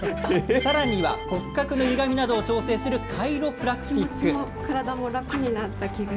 さらには、骨格のゆがみなどを調整するカイロプラクティック。